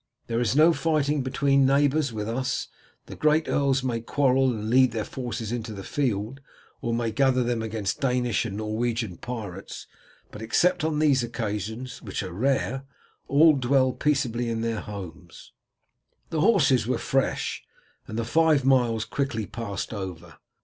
There is no fighting between neighbours with us. The great earls may quarrel and lead their forces into the field, or may gather them against Danish and Norwegian pirates, but except on these occasions, which are rare, all dwell peaceably in their homes." The horses were fresh, and the five miles quickly passed over.